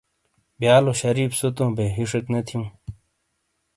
بیالو شریف سوتوں بئے ہِشیک نے تھیوں